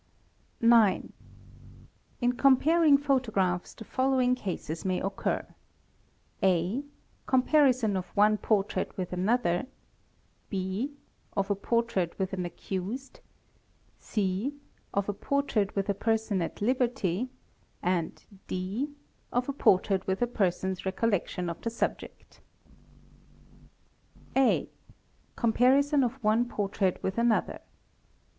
9. In comparing photographs the following cases may occur :— (a) Comparison of one portrait with another ; (b) Of a portrait with an accused ;_ (c) Of a portrait with a person at liberty ; and (d) Of a portrait with a person's recollection of the subject. (a) Comparison of one portrait with another.